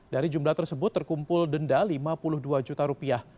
dari jumlah tersebut terkumpul denda lima puluh dua juta rupiah